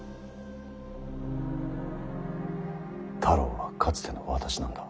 太郎はかつての私なんだ。